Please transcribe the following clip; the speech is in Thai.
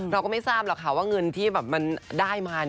เราก็ไม่ทราบหรอกค่ะว่าเงินที่มันได้มา